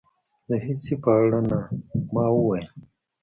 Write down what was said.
د هېڅ شي په اړه نه. ما وویل.